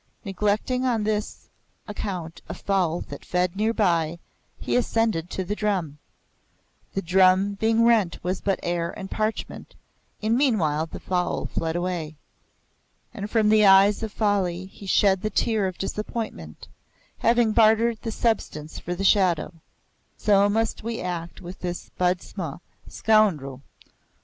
Neglecting on this account a fowl that fed near by, he ascended to the drum. The drum being rent was but air and parchment, and meanwhile the fowl fled away. And from the eye of folly he shed the tear of disappointment, having bartered the substance for the shadow. So must we act with this budmash [scoundrel].